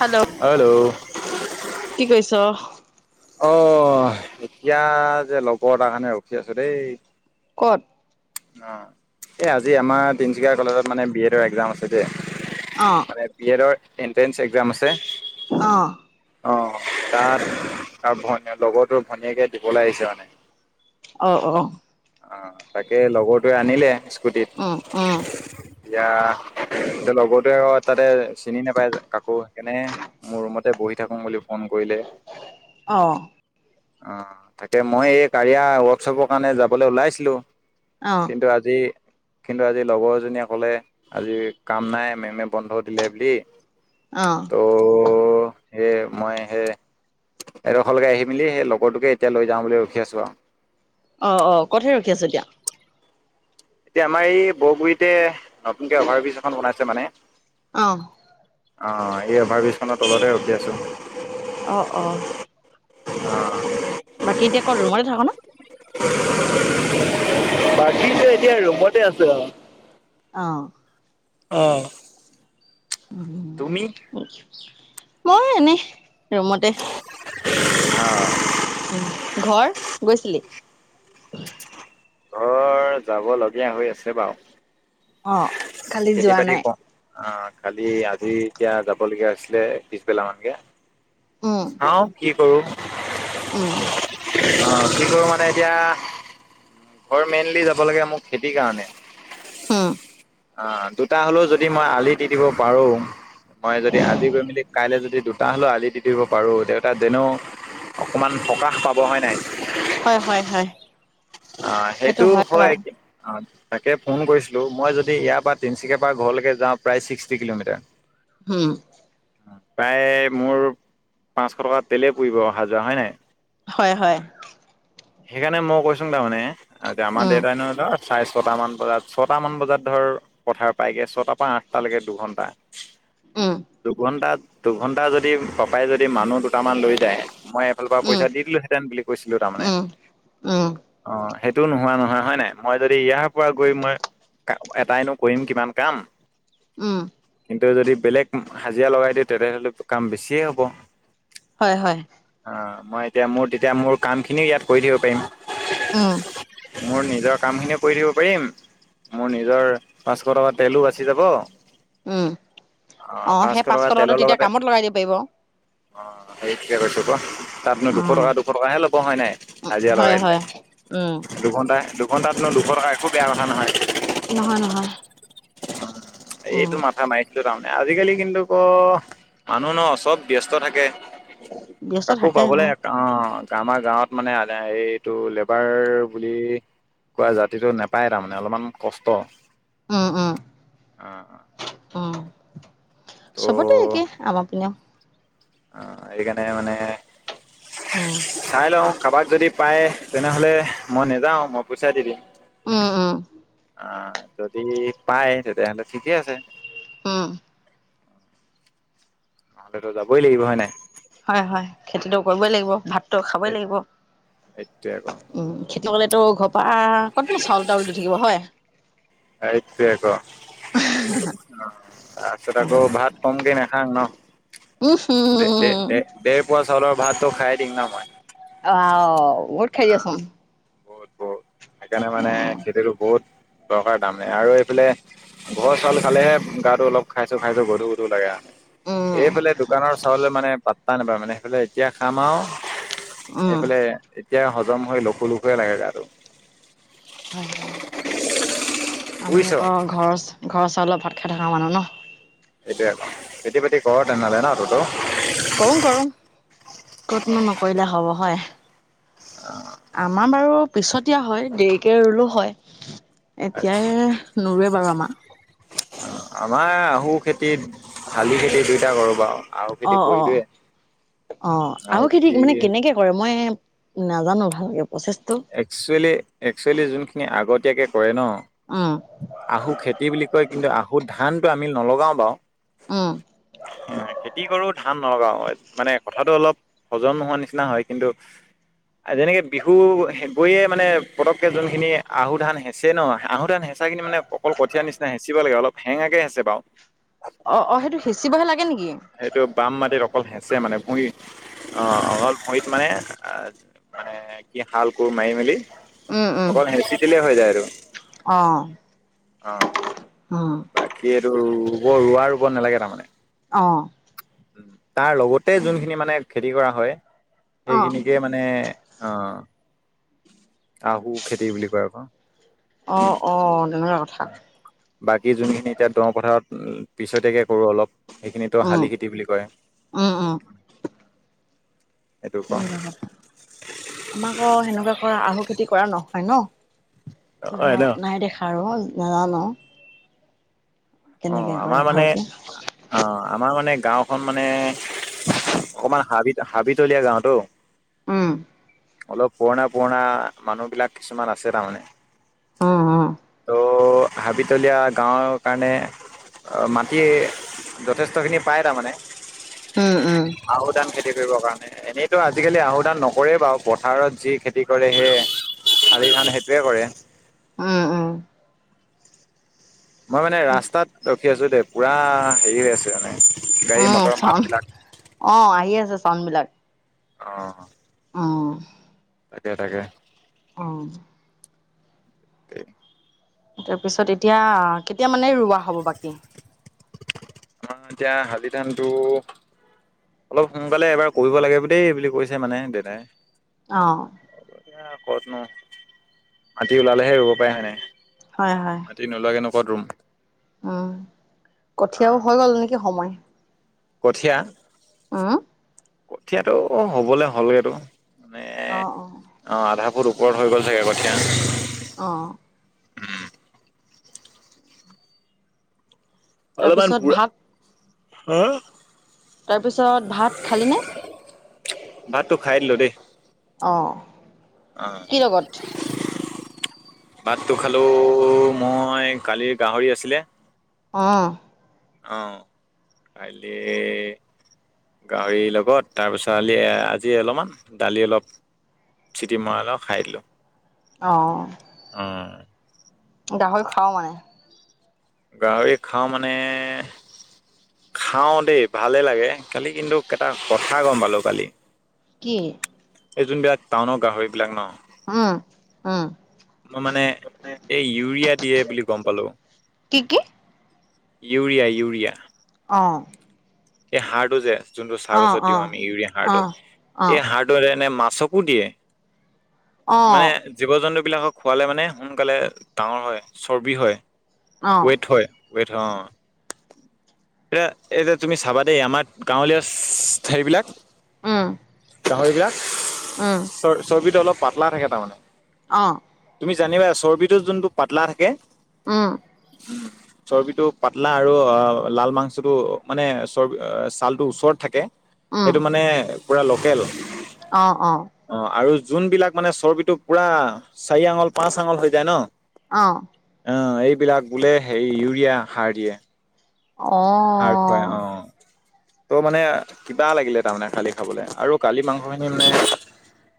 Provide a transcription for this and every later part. Hello কি কৈছ। অ এতিয়া যে লগৰ এটাৰ কাৰণে ৰখি আছোঁ দেই ক'ত। অ এই আজি আমাৰ তিনচুকীয়া কলেজত মানে বি এডৰ একজাম আছে যে অ', মানে বি এডৰ এনট্ৰেন্ঞ্চ একজাম আছে অহ অ তাত তাৰ ভনীয় লগৰটোৰ ভনীয়েকে দিবলৈ আহিছে মানে অহ অহ অ তাকে লগৰটোৱে আনিলে স্কুটিত উম উম। এতিয়া এতিয়া লগৰটোৱে তাতে চিনি নোপায় কাকো সেইকাৰণে মোৰ ৰুমতে বহি থাকোং বুলি ফোন কৰিলে। অহ। অ তাকে মই এই কাৰিয়া ৱৰ্কশ্বপৰ কাৰণে যাবলৈ ওলাইছিলোঁ। কিন্তু আজি কিন্তু আজি লগৰজনীয়ে কলে আজি কাম নাই মেমে বন্ধ দিলে বুলি অ', তহ হে মই হে এডোখৰলৈকে আহি মেলি সেই লগৰটোকে এতিয়া লৈ যাওঁ বুলি ৰখি আছোঁ আৰু অ অ কতহে ৰখি আছ এতিয়া। এতিয়া আমাৰ এই বৰগুৰিতে নতুনকে অভাৰ ব্ৰীজ এখন বনাইছে মানে। অহ। অ এই অভাৰ ব্ৰীজ খনৰ তলতে ৰখি আছো। অ' অঁ। অ। বাকী এতিয়া কত ৰুমতে থাক না বাকীতো এতিয়া ৰুমতে আছো আও। অহ। অহ। মই এনেই ৰুমতে। অ। উ ঘৰ গৈছিলি। ঘৰ যাব লগীয়া হৈ আছে বাও। অ', কালি খেতি যোৱা বাতি নাই। ক অ। কালি আজি এতিয়া যাব লগগীয়া হৈছিলে পিছবেলা মান কে। চাও কি কৰো। উ। অ কিন্তু মানে এতিয়া। ঘৰ মেইনলি যাব লাগে মোক খেতিৰ কাৰণে। উম। অ দুটা হলেও যদি মই আলি দি দিব পাৰো মই যদি আজি গৈ মেলি কাইলৈ যদি দু। তা হ'লেও আলি দি দিব পাৰোঁ দেউতা যেনেও অকণমান সকাহ পাব হয় নাই। হয় হয় হয়। অ সেইটো হয় অ। তাকে ফোন কৰিছিলোঁ মই যদি ইয়াৰ পৰা তিনিচুকীয় পৰা ঘৰলৈকে যাওঁ প্ৰায় ছিক্সটি কিলোমিটাৰ। হুও। প্ৰায় মোৰ পাঁচশ টকা তেলেই পুৰিব অহা যোৱা হয় নাই। হয় হয়। সেইকাৰণে মই কৈছো তাৰমানে আমাৰ উম, দেউতাই ন। চাৰে ছটামান বজাত ছটামান বজাত ধৰ পথাৰ পায়গে ছটাৰ পৰা আঠটালৈকে দুঘণ্টা। উম, দুঘন্টা দুঘন্টা যদি। যদি পাপাই যদি মানুহ দুটামান লৈ যায় মই এইফালৰ পৰা পইচা দি দিলোহেতেন বুলি কৈছিলো তাৰমানে। উ অ সেই। এইটো নোহোৱা নহয় হয় নাই মই যদি ইয়াৰ পৰা গৈ মই এটাইনো কৰিম কিমান কাম। উম। কিন্ত যদি বেলেগ হাজিৰা লগাই দিওঁ তেতিয়াহ'লে কাম বেছিয়ে হ'ব। হয় হয়। অ মই এতিয়া মোৰ তেতিয়া মোৰ কাম খিনিও ইয়াত কৰি দিব পাৰিম। উ। মোৰ নিজৰ কাম খিনিয়ও কৰি দিব পাৰিম মোৰ নিজৰ পাঁচশ টকা তেলো বাচি যাব। উম অ সেই পাঁচশ টকা টকাটো তেলৰ তেতিয়া লগতে কামত লগাই দিব পাৰিব। অ সেই কে কৈছো ক তাতনো দুশ উম টকা দুশ টকাহে ল'ব হয় নাই হাজিৰা হয় লগাই। উম। অন্ তাতন দুখৰ কথা একো বেয়া কথা নহয়। নহয়, নহয়। উম এইটো মাথা মাৰ তাৰমানে আজিকালি কিন্তু ক মানুহ ন চব ব্যস্ত থাকে। ব্যস্ত কাকো থাকে পাবলৈ, উম অ আমাৰ গাঁৱত মানে এইটো লেবাৰ বুলি কোৱা জাতিটো নেপায় তাৰমানে অলপমান কষ্ট। উম, উম। অ, অ। উম, চবতে একে। আমাৰ পিনেও। অ, সেইকাৰণে মানে উম চাই লওঁ। কাবাক যদি পায় তেনেহ'লে মই নেযাওঁ। মই পুইচাই দি দিম। উম, উম। আহ যদি পাই তেতিয়াহ'লে ঠিকে আছে। উম নহ'লেতো যাবই লাগিব হয় নাই। হয় হয় খেতিটো কৰিবই লাগিব ভাতটো খাবই লাগিব সেইটোৱে আকৌ উম খেতি কৰিলে তো ঘ পা কতনো চাউল তাউল দি থাকিব হয়। এইটোৱে ক অ তাছত আকৌ উম ভাত কম কমকে নেখাং ন উম দে দে উম দে পোৱা চাউলৰ ভাতটো খাই দিম ন মই অৱা ওঁ বহুত খাইদি আচোন বহুত বহুত সেইকাৰণে মানে খেতিতো বহুত দৰকাৰ দাম আৰু এইফালে ঘৰ চাউল খালেহে গাতো অলপ খাইছো খাইছো গধু গধু লাগে। আ উম এইফালে দোকানৰ চাউলে মানে পাত্তা নাপায়। মানে সেইফালে এতিয়া খাম আৰু। উম এইফালে এতিয়া হজম হৈ লখো লখোৱে লাগে গাটো। হয়, হয়। আমি বুজিছ আকৌ ঘৰৰ চা ঘৰ চা চাউলৰ ভাত খাই থকা মানুহ ন। এতিয়া খেতি-বাতি কৰ তেনেহলে ন ততো? কৰোং, কৰোং কতনো নকৰিলে হব হয়। আমাৰ বাৰু পিছতিয়া হয় দেৰিকে ৰুলো হয়। এতিয়াই নৰুৱে বাৰু আমা আমাৰ আহু খেতি, শালি খেতি দুইটা কৰো। আ, আহু খেতি অ', অ'। কৰিলোৱে। অ আহু খেতি মানে কেনেকে কৰে? মই নাজানো ভালকে প্ৰচেছটো একচুৱেলি একচুৱেলি যোনখিনি আগতিয়াকে কৰে ন। উম। আহু খেতি বুলি কয়, কিন্তু আহু ধানটো আমি নলগাও বাও। উম। খেতি কৰো ধ ধান নলগাও মানে কথাটো অলপ হজম নোহোৱা নিচিনা হয়। কিন্তু যেনেকে বিহু গৈয়ে মানে পতককে যোনখিনি আহু ধান হেছে ন। আহু ধান হেচ সঁচা কিনি মানে অকল কঠীয়া নিচিনা হেঁচিব লাগে অলপ হেঙাকেঁ হেছে বাও। অ, অ সেইটো হেচিবহে লাগ সেইটো বাম মাটিত অকল হেচে মানে। ভূঁই অ, অলপ ভৰিত মানে মানে কি হাল, কোৰ মাৰি মেলি উম, উম, অকল হেচি দিলে হৈ যায় আৰু। অ', অ, উম, বাকী এইটো ৰব ৰুৱা ৰোব নালাগে তাৰমানে। অ। তাৰ লগতে যোনখিনি মানে খেতি কৰা হয়, অ'। সেইখিনিকে মানে অ, আহু খেতি বুলি কয় আকৌ। অ, অ। তেনেকুৱা কথা। বাকী যোনখিনি এতিয়া দ পথাৰত পিছতিয়াকে কৰো অলপ। সেইখিনিতো উম, শালি খেতি বুলি কয় উম, উম, সেইটো কওঁ তেনেকুৱা কথা আমাক অ সেনেকুৱা কৰা আহু খেতি কৰা নহয় ন ত নাই দেখা আৰু নাজানো। অ কেনেকে কৰে আমাৰ মানে, ভালকে অ আমাৰ মানে গাঁওখন মানে অকমান হাবিত হাবিতলীয়া গাঁওতো। উম অলপ পুৰণা পুৰণা মানুহ বিলাক কিছুমান আছে তাৰমানে। অ অ ত' হাবিতলীয়া গাঁৱৰ কাৰণে মাটি যথেষ্টখিনি পায় তাৰমানে ওম উম আহু ধান খেতি কৰিবৰ কাৰণে। এনেইতো আজিকালি আহু ধান নকৰে বাৰু পথাৰত যি খেতি কৰে সেয়ে শালিধান সেইটোৱে কৰে। উম, উম। মই মানে ৰাস্তাত ৰখি আছো দেই। পুৰা হেৰি হৈ আছে মানে। গাড়ী উম, মটৰৰ চন মাতবিলাক অ আহি আছে চন বিলাক। অ। অ। তাকে, তাকে। উম। [inaudible] তাৰপিছত এতিয়া কেতিয়া মানে ৰোৱা হব বাকী? আ এতিয়া শালিধানটো অলপ সোনকালে এবাৰ কৰিব লাগে দেই বুলি কৈছে মানে দেতাই। আহ এ কত ন মাটি ওলালেহে ৰুব পাৰে হয় নাই। হয় হয় মাটি নোলোৱাকে নো ক'ত ৰুম। উম অ কঠিয়াও হৈ গ'ল নেকি সময়? কঠীয়া অহ কঠীয়াটো হবলে হলেতো আহঁ অঁ ওপৰত হৈ গ'ল চাগে কঠীয়া। অঁ অলপমান তাৰপিছত বুঢ়া ভাগ হা তাৰপিছত ভাত খালিনে? ভাত তটো খাই দিলো দেই। আহ অ'। কি লগত? ভাতটো খালো মই কালিৰ গাহৰি আছিলে। আহ আহ কাইলে গাহৰি লগত তাৰপিছতলি আজি অলপমান দালি অলপ চিটি মৰাই লংআও খাই দিলোঁ। অ আহ গাহৰি খাও মানে? গাহৰি খাওঁ মানে খাওঁ দেই ভালে লাগে খালি। কিন্তু এটা কথা গম পালো কালি কি এই যোনবিলাক টাউনৰ গাহৰিবিলাক ন অ অ মই মানে এই ইউৰিয়া দিয়ে বুলি গম পালো। কি কি ইউৰিয়া ইউৰিয়া অ এই সাড়টো যে যোনটো চাহ অ গছত অ দিওঁ আমি ইউৰিয়া অ সাৰড়টো অ এই সাৰডটো যেনে মা- চকু দিয়ে অ মানে জীৱ জন্তু বিলাকক খোৱালে মানে সোনকালে ডাঙৰ হয় চৰ্বি হয় অ ৱেইট হয়। ৱেইট হয় অ। এয়া এতি তুমি চাবা দেই আমাৰ গাঁৱলীয়া ঠাই বিলাক উম গাহৰিবলাক উম চ চৰ্বিতটো অলপ পাতলা থাকে তাৰমানে অ তুমি জানিবা চৰ্বিটোৰ যোনটো পাতলা থাকে উম উ চৰ্বিটো পাতলা আৰু অ লাল মাংসটো মানে চৰ্ব ছালটোৰ ওচৰত থাকে উম সেইটো মানে পূৰা লোকেল অ অ যোন বিলাক মানে চৰ্বিটো পুৰা চাৰি আঙল পাঁচ আঙল হৈ যায় ন অহ অ এইবিলাক বোলে হে ইউৰিয়া সাৰ দিয়ে। অ সাৰ খুৱাই অ ত' মানে কিবা লাগিলে তাৰমানে কালি খাবলৈ আৰু কালি মাংস খিনি মানে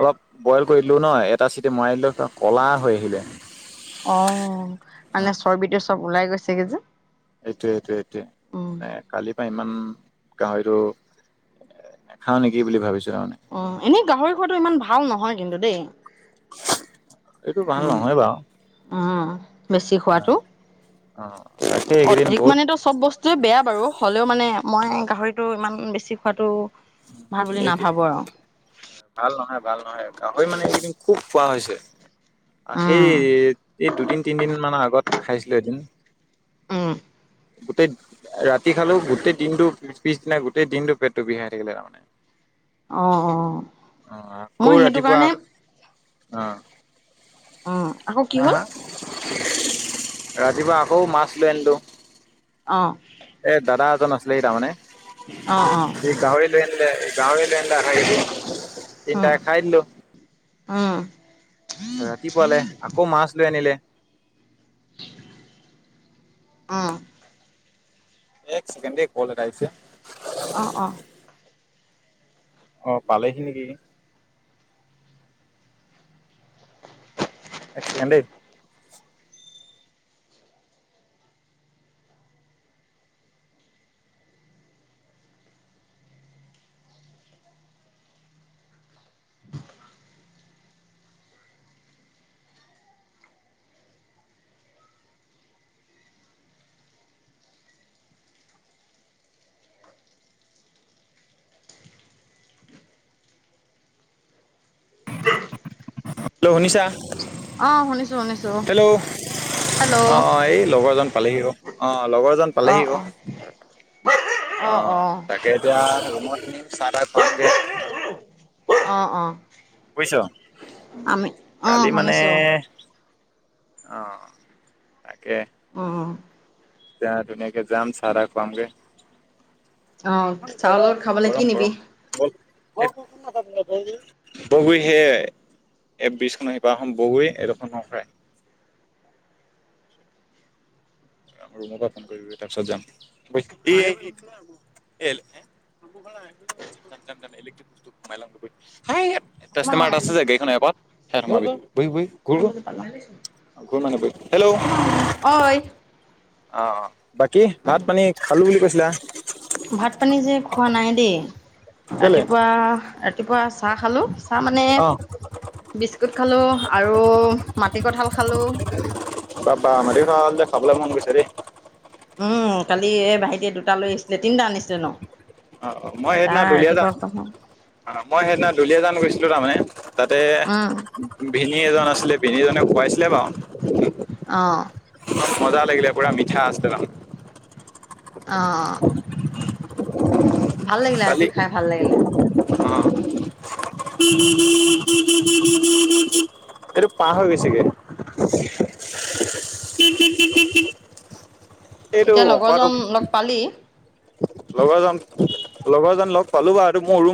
অলপ বইল কৰি দো ন এটা চিটি মৰা দিলো ক'লা হৈ আহিলে। অ মানে চৰ্বটো চব ওলাই গৈছে গে যে এইটোয়ে এইটোয়ে এইটোয়ে উম মানে কালিৰ পৰা ইমান গাহৰিতটো নাখাও নেকি বুলি ভাবিছ- অ এনেই গাহৰি খোৱাটো ইমান ভাল নহয় কিন্তু দেই। এইটো ভাল উম নহয় বাও। বেছি খোৱাতটো। অ তাকে এইকেইদিন অধিক বহুত মানো চব বস্তুৱয়ে বেয়া বাৰু হ'লেও মানে মই গাহৰিটো ইমান বেছি খোৱাতটো ভাল বুলি এই নাভাবোঁ আৰু ভাল নহয় ভাল নহয় গাহৰি মানে এইদিন খুব খোৱা হৈছে। সেই উম এই দুদিন তিনদিন মানৰ আগত খাইছিলো এদিন। উম। গোটেই ৰাতি খালো গোটেই দিনটো পিছদিনা গোটেই দিনটো পেটটো বিষাই থাকিলে তাৰমানে। অ অ অহ আকৌ মই সেইটো ৰাতিপুৱা কাৰণে অহ। উম আকৌ কি হা হ'ল হা ৰাতিপুৱা আকৌ মাছ লৈ আনিলোঁ। অ। এ দাদা এজন আছিলে তাৰমানে অ অ সি গাহৰি লৈ আন- নিলে গাহৰি লৈ আনিলে আধা কেজি মান উম তিনিটাই খাই দিলো। উম। ৰাতিপুৱালে আকৌ মাছ লৈ আনিলে। উম। এক চেকেণ্ড দেই কল এটা আহিছে। অ অ অহ পালেহি নেকি? এক চেকেণ্ড দেই। হেল্ল' শুনিছা। অ শুনিছো শুনিছো হেল্ল' অ হেল্ল' অ এই লগৰজন পালেহি অ। অ লগৰজন অ অ পালেহিকো অ অহ তাকে এতিয়া ৰোমত নিম চাহ তাহ খোৱাম গে। অ অ। আমি অ কালি মানে শুনিছো অ তাকে অ। জা ধুনীয়াকে যাম চা তা খুৱাম গে। অ গৰম চাহৰ লগত খাবলৈ কি গৰম নিবি গৰম বল। বহু সেই এই ব্ৰিজখনৰ সিপাৰৰখন বওৱে এডোখৰ নসৰাই। [unintelligible] ৰুমৰ পৰা ফোন কৰিবি তাৰপিছত যাম। হেই। কাষ্টমাৰ এটা আছে যে গাড়ীখনৰ এপত। ঘ ঘ মানে হেল্ল'। অঐ। অ অ বাকী ভাত পানী খালো বুলি কৈছিলা। ভাত পানী যে খোৱা নাই দেই, কেলে ৰাতিপুৱা ৰাতিপুৱা চাহ খালোঁ। তাৰ মানে। অ বিস্কুট খালো আৰু মাটি কঠাল খালো। টাপা মাটিকঁঠাল যে খাবলৈ মন গৈছে দেই। উম কালি এই ভাইটি দুটা লৈ আহিছিলে তিনিটা আনিছিলে ন। অ অ মই এটা সেইদিনা দুলীয়াজান ৰাতিপুৱা খোৱা হ'ল। অ মই সেইদিনা দুলিয়াজান গৈছিলোঁ তাৰমানে। তাতে উম ভিনি এজন আছিলে ভিনি এজনে খুৱাইছিলে বাৰু। অ মজা লাগিলে পুৰা মিঠা আছে ন। অ। ভাল লাগিলে আজি কালি অ। খাই ভাল লাগিলে এইটো পাৰ হৈ গৈছেগে। এইটো এতিয়া অকৰাটো লগৰজন লগ পালি? লগৰজন লগৰজন লগ পালো বাৰু এইটো মোৰ ৰুম।